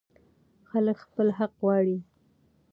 خلک خپل حق غواړي.